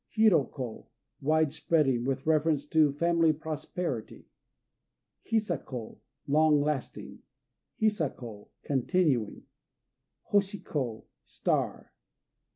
Hiro ko "Wide Spreading," with reference to family prosperity. Hisa ko "Long lasting." Hisa ko "Continuing." Hoshi ko "Star."